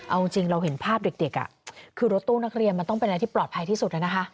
เอาจริงเราเห็นภาพเด็กคือรถตู้นักเรียนมันต้องเป็นอะไรที่ปลอดภัยที่สุดนะคะ